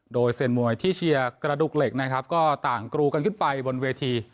โดยเซียนมวยที่เชียร์กระดูกเหล็กนะครับก็ต่างกรูกันขึ้นไปบนเวที